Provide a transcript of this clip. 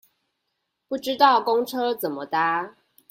不知道公車怎麼搭